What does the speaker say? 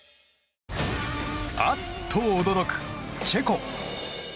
あっと驚くチェコ。